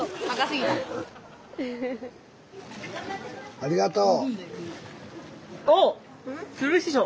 ありがとう！